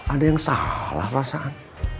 ada yang salah perasaan